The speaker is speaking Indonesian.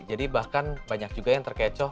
jadi bahkan banyak juga yang terkecoh